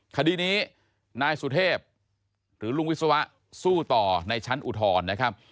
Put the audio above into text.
คดีนี้นายสุเทพหรือลุงวิศวะสู้ต่อในชั้นอุทธรณ์นะครับ